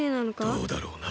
どうだろうな？